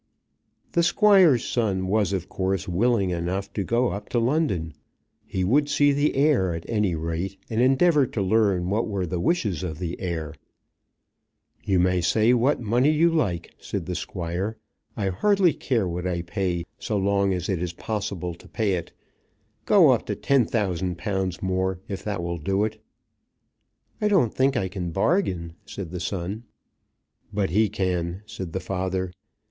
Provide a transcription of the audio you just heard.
The Squire's son was of course willing enough to go up to London. He would see the heir at any rate, and endeavour to learn what were the wishes of the heir. "You may say what money you like," said the Squire. "I hardly care what I pay, so long as it is possible to pay it. Go up to £10,000 more, if that will do it." "I don't think I can bargain," said the son. "But he can," said the father.